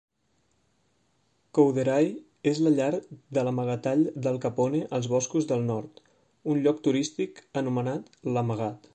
Couderay és la llar de l'amagatall d'Al Capone als boscos del nord, un lloc turístic anomenat "L'amagat".